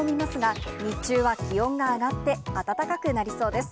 朝は冷え込みますが、日中は気温が上がって、暖かくなりそうです。